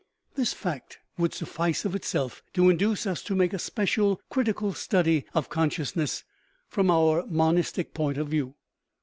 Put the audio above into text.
This fact would suf fice of itself to induce us to make a special critical study of consciousness from our monistic point of view.